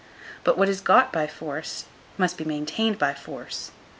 But what is got by force must be maintained by force.